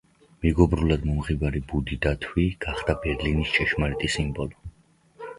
მეგობრულად მომღიმარი ბუდი დათვი გახდა ბერლინის ჭეშმარიტი სიმბოლო.